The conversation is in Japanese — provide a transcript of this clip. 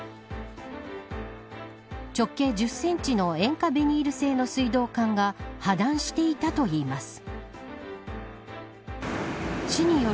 直径１０センチの塩化ビニール製の水道管が破断していたといいます。